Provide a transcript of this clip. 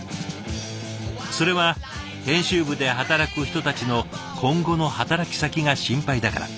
それは編集部で働く人たちの今後の働き先が心配だから。